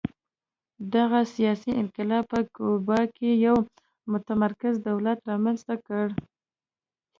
دغه سیاسي انقلاب په کیوبا کې یو متمرکز دولت رامنځته کړ